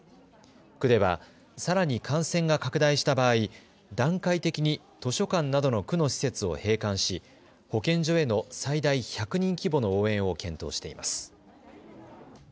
区ではさらに感染が拡大した場合、段階的に図書館などの区の施設を閉館し、保健所への最大１００人規模の応援を検討しています。